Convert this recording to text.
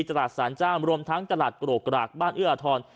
ตลาดสารเจ้ารวมทั้งตลาดโกรกกรากบ้านเอื้ออทร